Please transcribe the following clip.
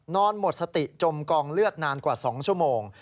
นอนหมดสติจมกองเลือดนานกว่า๒ชั่วโมง